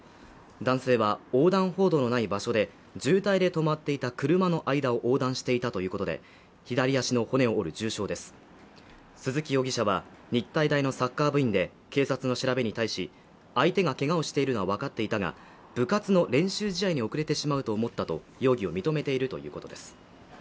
男性は横断歩道のない場所で渋滞で止まっていた車の間を横断していたということで左足の骨を折る重傷です鈴木容疑者は日体大のサッカー部員で警察の調べに対し相手がけがをしているのは分かっていたが部活の練習試合に遅れてしまうと思ったと容疑を認めているということです